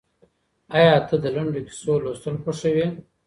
ایا ته د لنډو کیسو لوستل خوښوې؟